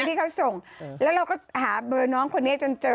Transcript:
ที่เขาส่งแล้วเราก็หาเบอร์น้องคนนี้จนเจอ